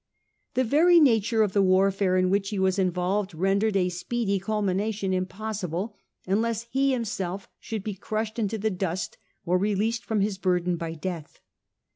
/ The very nature of the warfare in which he was in volved rendered a speedy culmination impossible, unless he himself should be crushed into the dust or released from his burden by death.